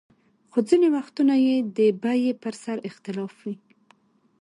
خو ځینې وختونه یې د بیې پر سر اختلاف وي.